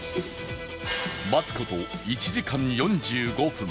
待つ事１時間４５分